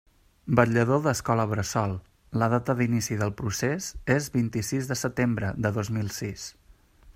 Vetllador d'Escola Bressol, la data d'inici del procés és vint-i-sis de setembre de dos mil sis.